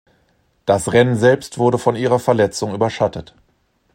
Das Rennen selbst wurde von ihrer Verletzung überschattet.